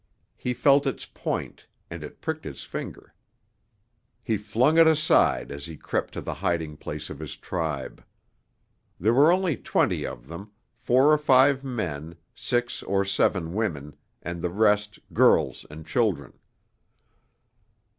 He felt its point, and it pricked his finger. He flung it aside as he crept to the hiding place of his tribe. There were only twenty of them, four or five men, six or seven women, and the rest girls and children.